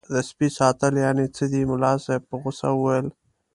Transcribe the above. د سپي ساتل یعنې څه دي ملا صاحب په غوسه وویل.